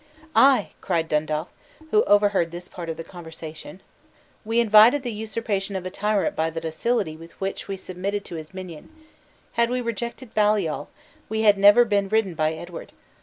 "Ay!" cried Dundaff, who overheard this part of the conversation, "we invited the usurpation of a tyrant by the docility with which we submitted to his minion. Had we rejected Baliol, we had never been ridden by Edward.